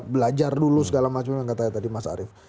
belajar dulu segala macam yang katanya tadi mas arief